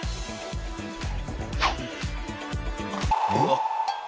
うわっ。